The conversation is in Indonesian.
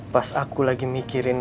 pas aku lagi mikirin